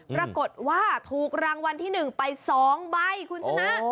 ปรากฏว่าถูกรางวัลที่๑ไป๒ใบคุณชนะ